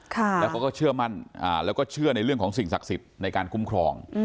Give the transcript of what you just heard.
แล้วเขาก็เชื่อมั่นแล้วก็เชื่อในเรื่องของสิ่งศักดิ์สิทธิ์ในการคุ้มครอง